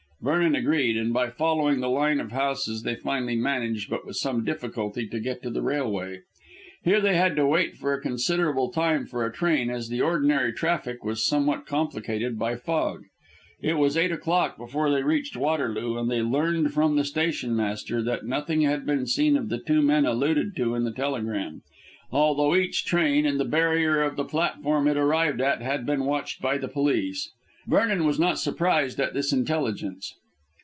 Vernon agreed, and by following the line of houses they finally managed, but with some difficulty, to get to the railway. Here they had to wait for a considerable time for a train, as the ordinary traffic was somewhat complicated by fog. It was eight o'clock before they reached Waterloo, and they learned from the stationmaster that nothing had been seen of the two men alluded to in the telegram, although each train and the barrier of the platform it arrived at had been watched by the police. Vernon was not surprised at this intelligence.